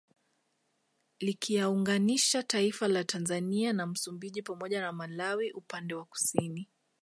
Likiyaunganisha taifa la Tanzania na Msumbiji pamoja na Malawi upande wa Kusini